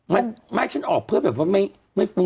ไม่ฉันออกเพื่อแบบว่าไม่รู้